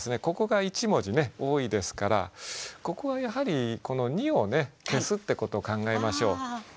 ここが１文字ね多いですからここはやはりこの「に」をね消すってことを考えましょう。